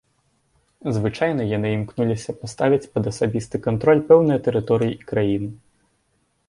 Звычайна яны імкнуліся паставіць пад асабісты кантроль пэўныя тэрыторыі і краіны.